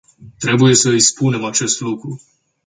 Trebuie să îi spunem acest lucru.